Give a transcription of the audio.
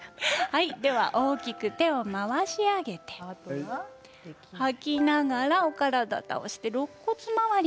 大きく手を回し上げて吐きながらお体を倒してろっ骨周り